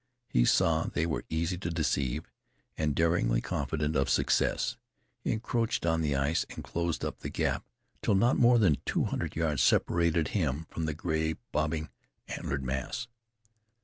He saw they were easy to deceive; and, daringly confident of success, he encroached on the ice and closed up the gap till not more than two hundred yards separated him from the gray, bobbing, antlered mass.